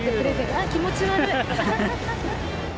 あっ、気持ち悪い。